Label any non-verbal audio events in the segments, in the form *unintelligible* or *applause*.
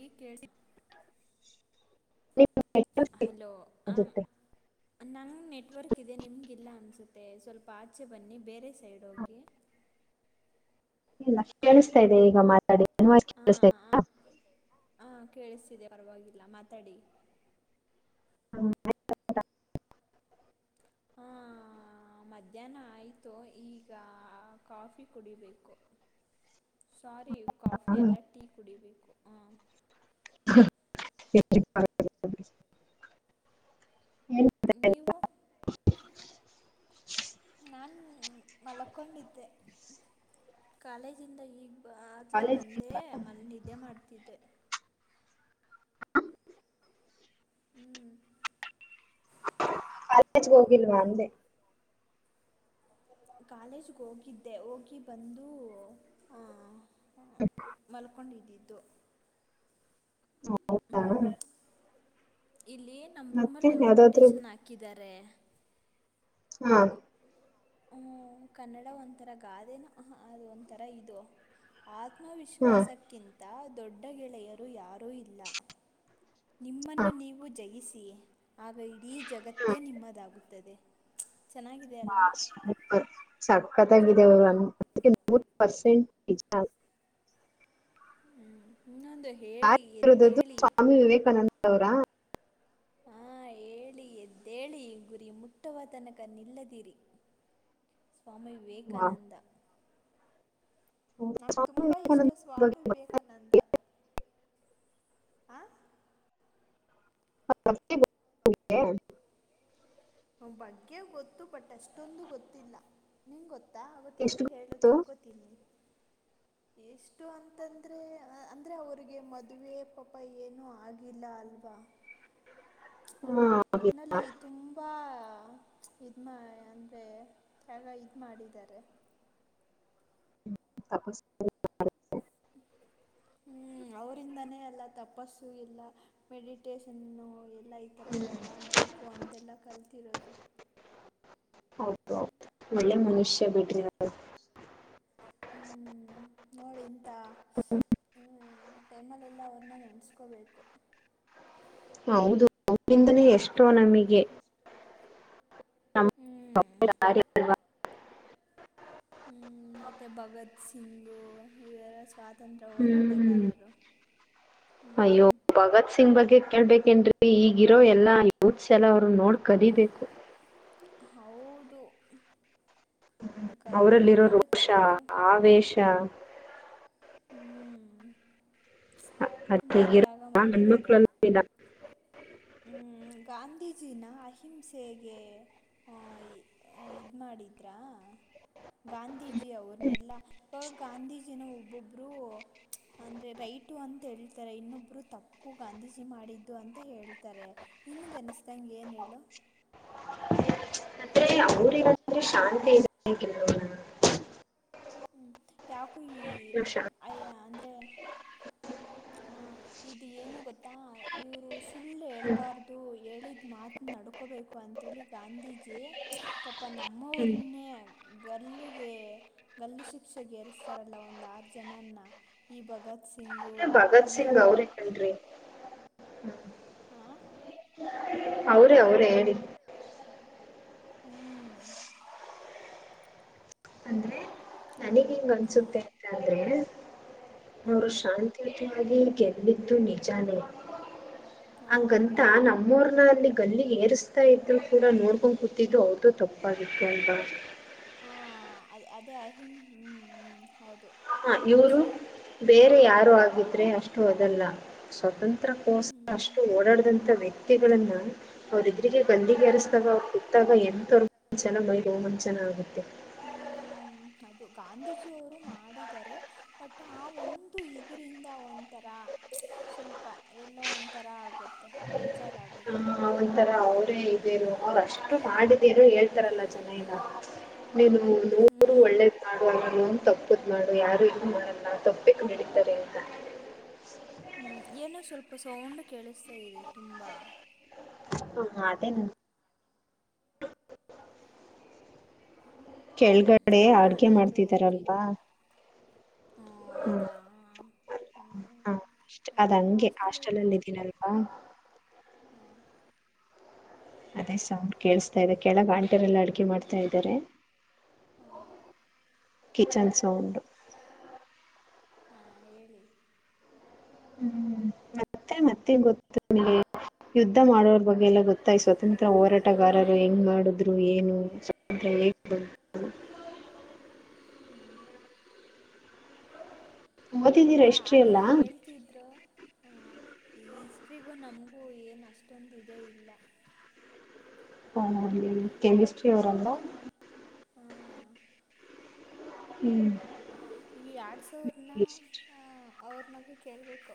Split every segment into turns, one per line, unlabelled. ಈ ಕೇಳಿ
ನೀ
ಹಲೋ ಆಂ ನಂಗೆ ನೆಟ್ವರ್ಕ್ ಇದೆ ನಿಮ್ಗಿಲ್ಲ ಅನ್ಿಸುತ್ತೆ ಮತ್ತೆ ಸ್ವಲ್ಪ ಆಚೆ ಬನ್ನಿ ಬೇರೆ ಸೈಡ್ ಹೋಗಿ
ಇಲ್ಲ
ಹಾಂ
ಕೇಳಿಸ್ತಾ ಇದೆ ಈಗ ಮಾತಾಡಿ
ಹಾಂ
ಕಿಸ್ತಾಾ
ಹಾಂ ಕೇಳಿಸ್ತಿದೆ ಪರವಾಗಿಲ್ಲ ಮಾತಾಡಿ
ಹ್ಮ
ಮಧ್ಯಾಹ್ನ ಆಯಿತು ಈಗ ಕಾಫಿ ಕುಡಿಬೇಕು ಸಾರಿ ಕಾಫಿ ಎಲ್ಲ ಟೀ ಕುಡಿಬೇಕು ಹ
ಎ
ನೀವ ನಾಾನು ಮಲಕೊಂಡಿದ್ದೆ ಕಾಲೇಜಿಂದ ಈಗ ಆಲೇ
ಕಾಲೇಜ್
ಬಂದೇ ಮಲೆ ನಿದ್ದೆ ಮಾಡ್ತಿದ್ದೆ
*inaudible*
ಹ್ಮ್
ಕಲಜ ಗೋೋಗಿಲ್ ವಂದೆ
ಕಾಲೇಜ್ಗೆ ಹೋಗಿದ್ದೆ ಹೋಗಿ ಬಂದು ಆ ಹ ಮಲ್ಕೊಂಡಿದ್ದಿದ್ದ ್ದ
ಹೌದ
ಇಲ್ಲಿ ನಮ್ಮ ರೂಮಲ್ಲಿ ಒಂದು
ಯಾವ್ದಾದ್ರು
ಕೊಟಷನ್ ಹಾಕಿದ್ದಾರೆ
ಹಾ
ಹ ಕನ್ನಡ ಒಂಥರ ಗಾದೆನ ಅದು ಒಂಥರ ಇದು ಆ
ಹಾ
ಆತ್ಮವಿಶ್ವಾಸಕ್ಕಿಂತ ದೊಡ್ಡ ಗೆಳೆಯರು ಯಾರೂ ಇಲ್ಲ
ಹಾ
ನಿಮ್ಮನ್ನು ನೀವು ಜಯಿಸಿ ಆ ರೈಡಿ ಜಗತ್ತೇ ನಿಮ್ಮದಾಗುತ್ತದೆ ಚೆನ್ನಾಗಿದೆ ಅಲ್ವಾ
ಸಕತ್ತಂಗಾಗಿದೆ ಪರ್ಸೆಂಟ್ಜ
ಹ್ಮ್ ಹಂದ
ಸ್ವಾಮಿ ವಿವೇಕಾನಂದ ಅವರಾ
ಹಾ ಹೇಳಿ ಎದ್ದೇಳಿ ಗುರಿ ಮುಟ್ಟವ ತನಕ ನಿಲ್ಲದಿರಿ ಸ್ವಾಮಿ ವಿವೇಕಾನಂದ ನಂ್ಗೆ ತುಂಬಾ ಇಷ್ಟ
ವಿವೇಕಾನಂದ ಬಗ್ಗೆ
ಸ್ವಾಮಿ ವಿವೇಕಾನಂದ ಆ
*inaudible*
ಬಗ್ಗೆ ಗೊತ್ತು ಬಟ್ ಅಷ್ಟೊಂದು ಗೊತ್ತಿಲ್ಲ ನಿಂಗ ಗೊತ್ತು ಗತ್ತಾ
ಎಷ್ಟು
ಆತ್ತಿದ್ರೆ ಹೇಳೋ
ಗೊತ್ತು
ತಿಳ್ಕೋತೀನಿ ಎಷ್ಟು ಅಂತಂದ್ರೆ ಅಂದ್ರೆ ಅವ್ರಿಗೆ ಮದುವೆ ಪಾಪ ಏನು ಆಗಿಲ್ಲ ಅಲ್ವಾ
ಹಾ
ಒಟ್ಟನಲ್ಲಿ ತುಂಬಾ ಹ ಇದ ಮಾ ಅಂದ್ರೆ ಯಗ ಇದ್ ಮಾಡಿದ್ದಾರೆ
ತಪಸ್ *inaudible*
ಹ್ಮ್ ಅವ್ರಂದಾನೇ ಎಲ್ಲ ತಪಸ್ಸು ಇಲ್ಲ ಮೆಡಿಟೇಶನ್ ಎಲ್ಲ ಈ ತರ ಮಾಡ್ಬೇಕು ಅಂತೆಲ್ಲ ಕಲ್ ತ್ತರೋದು
ಹೌದು ಒಳ್ಳೆ ಮನುಷ್ಯ ಬಿಡ್ರಿ ಅವ್ರು
ಹ್ಮ್ ನೋಡಿ ಟೈಮಲ್ಲೆಲ್ಲ ಅವ್ರನ್ನ ನೆನೆಸ್ಕೋಬೇಕು
ಹೌದು ಅವಿಂದಲೇ ಎಷ್ಟೋ ನಮಗೆ ಪಾಪ
ಹ್ಮ್
ಯಾರು ಇಲ್ಲ
ಹ್ಮ್ ಮತ್ತೆ ಭಗತ್ ಸಿಂಗು ಇವೆರ ಸ್ವಾತ
ಹ್ಮ್ ಅಯ್ಯೋ
ಹ್ಮ್
ಭಗತ್ ಸಿಂಗ್ ಬಗ್ಗೆ ಕೇಳ್ಬೇಕು ಏನ ಈಗಿರೋ ಎಲ್ಲಾ ಯತ್ಸ ಎಲ್ಲ ಅವರು ನೋಡ್ ಕಲಿಬೇಕು
ಹೌದು ಕ
ಅವರಲ್ಲಿರೋ
ನೋಡಿ
ರೋಷ
ಕಲ್ತ್ರು
ಆವೇಶ
*inaudible*
ಅ
ತುಂಬ
ಗರ
ತ್ಯಾಗ
*unintelligible* ಹಣ್ಣ್ಮಕ್ಕಳಲ್ಲ *inaudible*
ಹ್ಮ ಗಾಂಧೀಜಿನ ಅಹಿಂಸೆಗೆ ಇದು ಮಾಡಿದ್ರಾ ಗಾಂಧೀಜಿ ಅವ್ರನ್ನೆಲ್ಲಾ ಪ ಗಾಂಧೀಜಿನ ಒಬ್ಬೊಬ್ರು ಅಂದ್ರೆ ರೈಟು ಅಂತ ಹೇಳ್ತಾರೆ ಇನ್ನೊಬ್ಬರು ತಪ್ಪು ಗಾಂಧಿಜಿ ಮಾಡಿದ್ದು ಅಂತ ಹೇಳ್ತಾರೆ ನಿನ್ಗೆ ಅನಿಸ್ದಂಗೆ ಏನು ಹೇಳು
ಅತ್ತೆ ಅವ್ರಲ್ಲಂದ್ರೆ ಶಾಂತಿ ಇದೆ ಕೆಲವ
ಯಾವ
ರೋಷ *unintelligible*
ಇವ್ರು ಸುಳ್ಳು ಹೇಳ್ಬಾರ್ದು ಹೇಳಿದ್ ಮಾತ ನಡ್ಕೋಬೇಕು ಅಂತೇಳಿ ಗಾಂಧೀಜಿ ಪಪ ನಮ್ಮಅವ್ರೇನೆ ಗಲಿ ಹೇ ಗಲ್ಲು ಶಿಕ್ಷೆಗೆ ಏರಿಸ್ತಾರಲ್ಲ ಒಂದು ಜನನ್ನ ಈ ಭಗತ್ ಸಿಂಗು ಇನ್ನು ಯಾರ
ಹ
ಹಾಂ
ಅವ್ರೆ ಅವ್ರೆ ಹೇಳಿದ್
ಹ್ಮೂ.
ಅಂದ್ರೆ ನನಿಗೆ ಹಿಂಗ್
ಹಾಂ
ಅನ್ಸುತ್ತೆ ಅಂತಾದ್ರೆ
ಹ್ಞೂ
ಅವ್ರು ಶಾಂತಿ *unintelligible* *unintelligible* ನಿಜಾನೇ.
ಹಾಂ
ಅಂಗಂತ ನಮ್ ಇವ್ರ್ನ ಅಲ್ಲಿ ಗಲ್ಲಿಗ್ ಏರಿಸ್ತಾ ಇದ್ರು ಕೂಡ ನೋಡ್ಕೊಂಡ್ ಕೂತಿದ್ದು ಅವ್ರ್ದೂ ತಪ್ಪಾಗಿತ್ತು ಅಲ್ವಾ?
ಹಾ ಅದ್ ಅದೇ ಅಹಿಂ ಹ್ಮ್ ಹ್ಮ್ ಹೌದು.
ಹ ಇವರು ಬೇರೆ ಯಾರೋ ಆಗಿದ್ರೆ ಅಷ್ಟು ಅದಲ್ಲ ಸ್ವತಂತ್ ತ್ರ
ಹ್ಞೂ
ಕೋಸ್ ಕರ ಅಷ್ಟ್ ಓಡಾಡ್ದಂತ ವ್ಯಕ್ತಿ *unintelligible* ಅವ್ರ್ಗೆ *unintelligible*
ಹ್ಞೂ
ಗಲ್ಲಿಗೇರಸ್ದಾಗ ಅವಾಗ್ ಕುತ್ತಾಗ ಎಂತವ್ರ್ ಚೆನ್ನಾಗ್ ಮೈ ರೋಮಾಂಚನ ಆಗುತ್ತೆ.
ಹ್ಮೂ ಅದು ಗಾಂಧೀಜಿ ಅವರು ಮಾಡಿದಾರೆ ಬಟ್ ಆ ಒಂದು ಇದರಿಂದ ಒಂಥರಾ *unintelligible* ಸ್ವಲ್ಪ ಏನ್ನೊ ಒಂಥರಾ ಆಗುತ್ತೆ ಬೇ
ಹಾ ಒಂತರ ಅವ್ರೇ *unintelligible* ಅವ್ರ್ ಅಷ್ಟು ಮಾಡಿದಿರೂ ಹೇಳ್ತಾರಲ್ಲ ಜನ ಎಲ್ಲ, *unintelligible* *unintelligible* ನೂರು
ಹ್ಮ್
ಒಳ್ಳೆದ್ ಮಾಡು ಅದ್ರಲ್ ಒಂದ್ ತಪ್ಪದ್ ಮಾಡು ಯಾರು ಇದು ಮಾಡಲ್ಲ ತಪ್ಪಿ ನಡಿತಾರೆ ಅಂತ.
ಹ್ಮ್ ಏನೋ ಸ್ವಲ್ಪ ಸೌಂಡ್ ಕೇಳಿಸ್ ತ ಇದೆ ತುಂಬ.
ಹಾ ಅದೇ ನನ್ ಕೆಳ್ಗಡೆ ಅಡ್ಗೆ
ರೂಮಲ್ಲಾದರೂ ಹೋಗಿ
ಮಾಡ್ತಿದ್ದಾರಲ್ವಾ?
ಹಾ
ಹ್ಮ
ಅದಾ ಹ್ಞೂ
ಅ ಅಷ್ಟ್
ಒಂದೇ
ಅದಂಗೆ ಹಾಸ್ಟೆಲ್
ಹಾಸ್ಟೆಲಲ್ಲಿ
ಅಲ್ಲಿ ಇದ್ದೀನಲ್ವಾ?
ಹಾಂ
ಅದೇ ಸೌಂಡ್ ಕೇಳಿಸತಾ ಇದೆ ಕೆಳಗ್ ಆಂಟೆರೆಲ್ಲ ಅಡ್ಗೆ ಮಾಡ್ತಾ ಇದಾರೆ.
*inaudible*
Kitchen sound.
ಹಾ ಹೇಳಿ
ಹ್ಮ್ ಮತ್ತೆ ಮತ್ತೆನ್ ಗೊತ್ತ ನಿಮ್ಗೆ ಯುದ್ಧ ಮಾಡೋರ್ ಬಗ್ಗೆ ಎಲ್ಲ ಗೊತ್ತಾ ಈ ಸ್ವತಂತ್ರ ಹೋರಾಟಗಾರರು ಹೆಂಗ್ ಮಾಡುದ್ರು ಏನು ಸ್ವಂತ್ರ *unintelligible*
ಹ್ಞೂ
ಓದಿದೀರ
ಇಲ್ಲ
ಹಿಸ್ಟ್ರಿ ಎಲ್ಲ
ಆಗೆಲ್ಲ ಹೇಳ್ತಿದ್ರು. ಹ ಈ ಹಿಸ್ಟ್ರಿಗೂ ನಮ್ಗೂ ಏನ್ ಅಷ್ಟೊಂದ್ ಇದೆ ಇಲ್ಲ.
*unintelligible* ಅಲ್ಲಿ ಕೆಮಿಸ್ಟ್ರಿ ಅವ್ರಂದ ಹ್ಮ್
ಈ ಆರ್ಟ್ಸ್ ಅವ್ರ್ನ ಅವ್ರ ನಗ್ಗೆ ಕೇಳಬೇಕು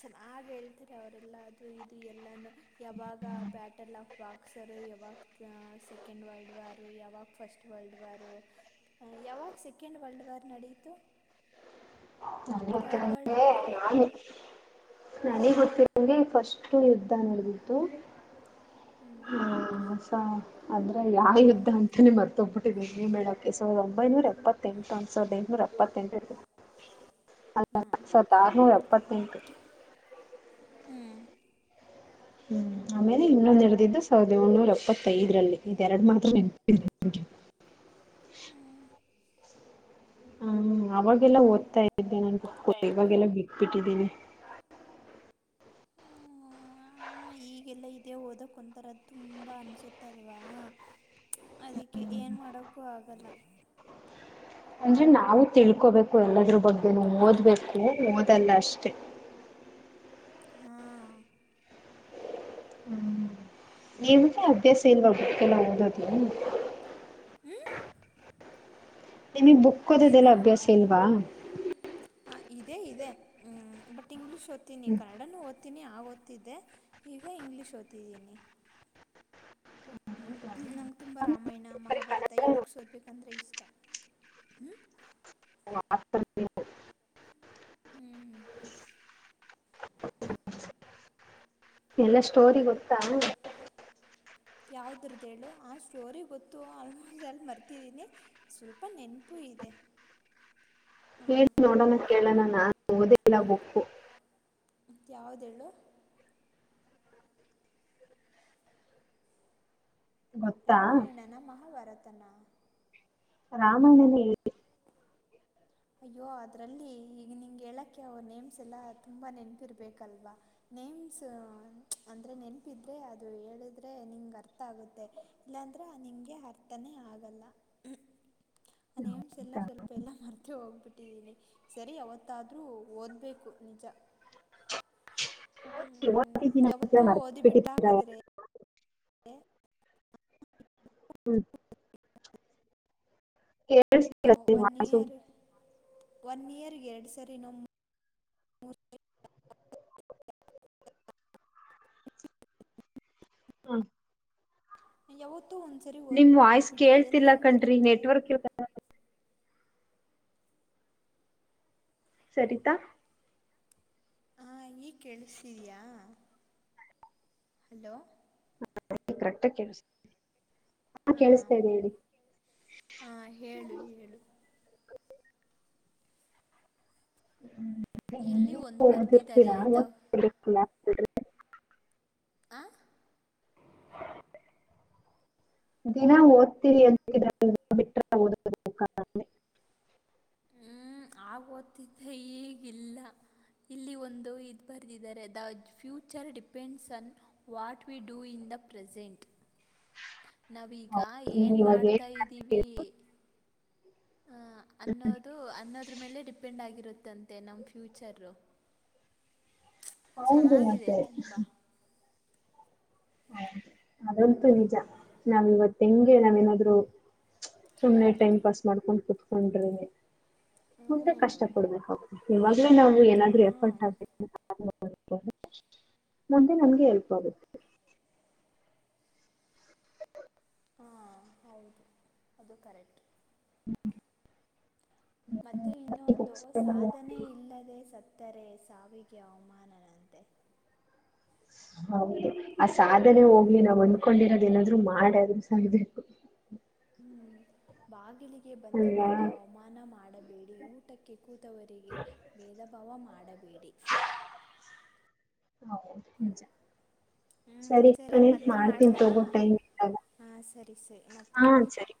ಚೆನ್ನಾಗಿ ಹೇಳ್ತರ ಅವರೆಲ್ಲ ಅದು ಇದು ಎಲ್ಲಾನು ಯಾವಾಗ ಬ್ಯಾಟೆಲ್ಲ ಬಾಕ್ಸರ್ ಯಾವಾಗ ಆ ಸೆಕೆಂಡ್ ವರ್ಲ್ಡ್ ವಾರ್ ಯಾವಾಗ ಫಸ್ಟ್ ವರ್ಲ್ಡ್ ವಾರ್ ಯಾವಾಗ ಸೆಕೆಂಡ್ ವರ್ಲ್ಡ್ ವಾರ್ ನಡಿ ತು
ನಂಗೊತ್ತಿಲ್ಲ ನೀವೇ ನಾನೆ ನನಿಗ್ ಗೊತ್ತಿರೋ ಹಂಗೆ ಫಸ್ಟ್ ಯುದ್ಧ ನೋಡ್ದಿದ್ದು
ಹ್ಞೂ
ಹ್ಮ್ ಸ ಅದು ನನ್ ಯಾ ಯುದ್ದ
ಸಾವಿರದ
ಅಂತಾನೇ ಮರ್ತೊಬ್ *unintelligible* ಮೇಡಕ್ಕೆ ಸಾವಿರದ ಒಂಬೈನೂರ ಎಪ್ಪೆಂಟು ಅನ್ಸ್ ಒ ಸಾವರದ ಎಂಟನೂರ ಎಪ್ಪತ್ತೆಂಟು ಅಲ್ಲ
ಹ್ಞೂ
ಸಾವ್ರದ ಆರ್ನುರೆಪ್ಪತ್ತೆಂಟು
ಹ್ಮ್
ಹ್ಮ್ ಆಮೇಲೆ ಇನ್ನೊಂದ್ ನೆಡೆದಿದ್ದು ಸಾವಿರದ ಏಳ್ನೂರ ಎಪ್ಪತ್ತೈದರಲ್ಲಿ ಇದ್ ಎರಡು ಮಾತ್ರ ನೆನ್ಪಿದೆ ನಂಗೆ ಹ್ಮ್ ಅವಾಗೆಲ್ಲ ಓದ್ತಾ ಇದ್ದೆ ನೆನ್ಪಿಟ್ ಕೊ ಇವಾಗೆಲ್ಲ ಬಿ ಬಿಟ್ಟಿದ್ದೀನಿ
ಹ್ಮ ಹ ಈಗೆಲ್ಲ ಇದೇ ಓದಕ್ ಒಂಥರಾ ತುಂಬಾ ಅನ್ಸುತ್ತಲ್ವಾ? ಅದಿಕ್ಕೆ ಏನ್ ಮಾಡೋಕ್ಕೂ ಆಗಲ್ಲ.
ಅಂದ್ರೆ ನಾವು ತಿಳ್ಕೋಬೇಕು ಎಲ್ಲಾದ್ರೂ. ಬಗ್ಗೆನೂ ಓದ್ಬೇಕು ಓದಲ್ಲ ಅಷ್ ಟೆ.
ಹಾ.
ಹ್ಮ್ ನೀವೆ ಅಭ್ಯಾಸ ಇಲ್ವ ಬುಕ್ಯೆಲ್ಲಾ ಓದೋದು.
ಹ್ಮ.
ನಿಮಿಗ್ ಬುಕ್ ಓದೋದ್ಯೆಲ್ಲಾ ಅಭ್ಯಾಸ ಇಲ್ವಾ.
ಹ ಇದೇ ಇದೆ ಹ್ಮ್ ಬಟ್ ಇಂಗ್ಲಿಷ್ ಓದ್ತೀನಿ ಕನ್ನಡನು ಓದ್ತೀನಿ ಅ ಆಗ್ ಓದ್ತಿದ್ದೆ ಈಗ ಇಂಗ್ಲೀಷ್ ಓದ್ತಿದ್ದೀನಿ. ಹ್ಮ ನಂಗ್ ತುಂಬ ರಾಮಾಯಣ ಮಹಾಭಾರತ ಈ ಬುಕ್ಸ್ ಓದ್ಬೇಕಂದ್ರೆ ಇಷ್ಟ. ಹ್ಮ್.
*unintelligible* *unintelligible* ಎಲ್ಲ ಸ್ಟೋರಿ ಗೊತ್ತಾ.
ಯಾವ್ದ್ರದ್ದೇಳು ಆ ಸ್ಟೋರಿ ಗೊತ್ತು ಆಲ್ಮೋಸ್ಟಾಲ್ ಮರ್ತಿದ್ದೀನಿ ಸ್ವಲ್ಪ ನೆನ್ಪು ಇದೆ. ಹಾಂ
ಹೇಳಿ ನೋಡೋಣ ಕೇಳೋಣ ನ ಓದಿಲ್ಲ ಬುಕ್ಕು.
ದ್ಯಾವ್ದೆಳು.
ಗೊತ್ತಾ
ರಾಮಾಯಣನ ಮಹಾಭಾರತ್ ತನ.
ರಾಮಾಯಣನೆ ಹೇಳಿ.
ಅಯ್ಯೋ ಅದ್ರಲ್ಲಿ ಈಗ್ ನಿಂಗ್ ಹೇಳಕ್ಕೆ ಅವ್ರ್ ನೇಮ್ಸ್ ಎಲ್ಲ ತುಂಬ ನೆನ್ಪಿರ್ಬೇಕಲ್ವಾ ನೇಮ್ಸು ಅಂದ್ರೆ ನೆನ್ಪಿದ್ರೆ ಅದು ಹೇಳುದ್ರೆ ನಿಂಗ್ ಅರ್ಥ ಆಗುತ್ತೆ ಇಲ್ಲಾಂದ್ರೆ ನಿಂಗೆ ಅರ್ಥನೇ ಆಗಲ್ಲ. ಅ ನೇಮ್ಸ್ ಎಲ್ಲ ಸ್ವಲ್ಪ ಎಲ್ಲಾ ಮರ್ತೆ ಹೋಗ್ಬಿಟ್ಟಿದ್ದೀನಿ ಸರಿ ಅವತ್ತಾದ್ರೂ. ಓದ್ಬೇಕು ನಿಜ. ಹ್ಮ್
ಓದಿದ್ದೀನಿ
ಯಾವತ್ತೂ ಓದಿ ಬಿಟ್ ಹಾಕುದ್ರೆ.
ಹ್ಮ.
ಗೆ
ನಿಮ್
ಒನ್
ವಾಯ್ಸು
ಇಯರ್ ಒನ್ ಇಯರ್ಗೆ ಎರಡ್ ಸರಿ ನಮ್. *unintelligible*
ಹ್ಮ.
ಯಾವತ್
ನಿಮ್ ವಾಯ್ಸ್ ಕೇಳ್ತಿಲ್ಲಾ ಕಂಡ್ರಿ
ನೆನಪಿರುತ್ತೆ
ನೆಟ್ವರ್ಕ್. *unintelligible* ಸರಿತಾ.
ಹಾ ಈಗ್ ಕೇಳುಸ್ತಿದ್ಯಾ. ಹಲೋ.
*unintelligible* ಕರೆಕ್ಟಗ್ ಕೇಳ್ಸುತ್ತೆ.
ಆ ಹಾ ಹೇಳು ಹೇಳು.
ಹ್ಮ್.
ಇಲ್ಲಿ
*unintelligible*
ಒಂದು ಬರ್ದಿದ್ದಾರೆ ದವ್
*unintelligible*
ಹಾ.
ದಿನ ಓದ್ತಿರಿ ಅಂತೀರ ಇದ್ರಲ್ಲಿ ಬಿಟ್ರೆ. *unintelligible*
ಹ್ಮ್ ಆಗ್ ಓತಿದ್ದೆ ಇಗ್ ಇಲ್ಲ, ಇಲ್ಲಿ ಒಂದು ಇದ್ ಬರೆದಿದ್ದಾರೆ the future depends on what we do in the present. ನಾವ್ ಈಗ
ನೀನ್
ಏನ್
ಇವಾಗ ಏನ್
ಮಾಡ್ತಾಯ್ದೀವಿ. ಹ ಅನ್ನೋದು ಅನ್ನೋದ್ರ ಮೇಲೆ ಡಿಪೆಂಡ್ ಆಗಿರುತ್ ದಂತೆ ನಮ್ ಫ್ಯೂಚರು.
ಹೌದು
ಚೆನ್ನಾಗಿದೆ
ಮತ್ತೆ.
ತುಂಬ
ಹೌ ಅದಂತೂ ನಿಜ ನಾವ್ ಇವತ್ ಹೆಂಗೆ ನಾವೇನಾದ್ರು ಸುಮ್ಮ್ನೆ ಟೈಮ್ ಪಾಸ್ ಮಾಡ್ಕೊಂಡ್ ಕುತ್ಕೊಂಡ್ರೆ. ಮುಂದೆ ಕಷ್ಟ ಪಡ್ಬೇಕಾಗುತ್ತೆ ಇವಾಗ್ಲೇ ನಾವು ಏನಾದ್ರು ಎಫರ್ಟ್
ಹಾಂ
ಆಗ್ಬೇಕು. *unintelligible* ಮತ್ತೆ ಮುಂದೆ ನಮ್ಗೆ ಎಲ್ಪ್ ಆಗುತ್ತೆ. *unintelligible*
ಹಾಂ ಹೌದು ಅದು ಕರೆಕ್ಟ್. ಮತ್ತೆ ಇನ್ನೊಂದು ಸಾಧನೆ ಇಲ್ಲದೆ ಸ ತ್ತರೆ ಸಾವಿಗೆ ಅವ್ಮಾನನಂತೆ.
ಹೌದು ಆ ಸಾಧನೆ ಹೋಗ್ಲಿ ನಾವ್ ಅಂದ್ಕೊಂಡಿರೋದ್ ಏನಾದ್ರು ಮಾಡಾದ್ರು ಸಾಯ್ಬೇಕು.
ಹ್ಮ್ ಬಾಗಿಲಿಗ್ ಗೆ
ಅಲ್ವಾ
ಬಂದವರಿಗೆ ಅವ್ಮಾನ ಮಾಡಬೇಡಿ ಊಟಕ್ಕೆ ಕೂತವರಿಗೆ ಭೇದ ಭಾವ ಮಾಡ್ ಮಾಡಬೇಡಿ.
ಹೌದು ನಿಜ.
ಹ್ಞೂ
ಸರಿ *unintelligible*
ಮತ್ತೆ
ಮಾಡ್ತೀನ್
ಮಾಡಲಾ
ತಗೋ ಟೈಮ್ ಇದ್ದಾಗ
ಹಾಂ ಸರಿ ಸರಿ
ಹಾ
ಮತ್ತೆ
ಸರಿ.